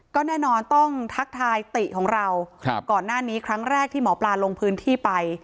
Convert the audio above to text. ก็แน่นอนต้องทักทายติของเราก่อนหน้านี้ครั้งแรกที่หมอปลาลงพื้นที่ไป